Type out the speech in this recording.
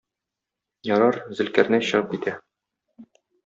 Ярар, Зөлкарнәй чыгып китә.